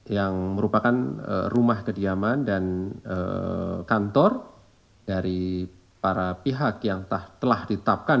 yang merupakan rumah kediaman dan kantor dari para pihak yang telah ditetapkan